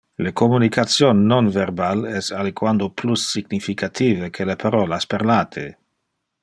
Le communication non verbal es aliquando plus significative que le parolas parlate.